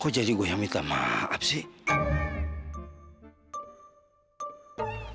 kok jadi gua yang minta maaf sih